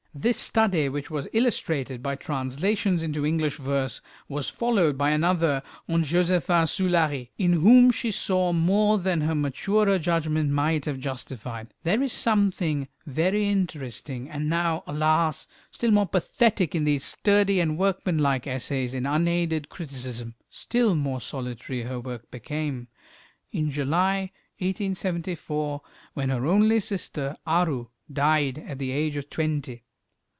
This study, which was illustrated by translations into English verse, was followed by another on Joséphin Soulary, in whom she saw more than her maturer judgment might have justified. There is something very interesting and now, alas! still more pathetic in these sturdy and workmanlike essays in unaided criticism. Still more solitary her work became, in July, 1874, when her only sister, Aru, died, at the age of twenty.